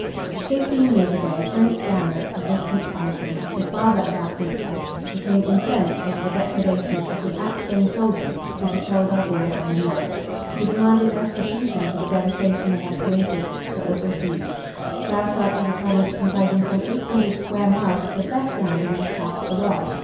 "Fifteen years ago Prince Ganlook, of this principality, the father of our princess, became incensed over the depredations of the Axphain soldiers who patrolled our border on the north. He demanded restitution for the devastation they had created, but was refused. Graustark is a province comprising some eight hundred square miles of the best land in this part of the world.